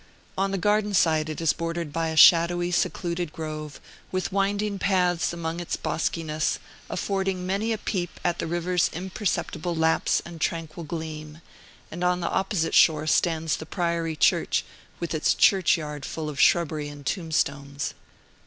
On the Garden side it is bordered by a shadowy, secluded grove, with winding paths among its boskiness, affording many a peep at the river's imperceptible lapse and tranquil gleam; and on the opposite shore stands the priory church, with its churchyard full of shrubbery and tombstones.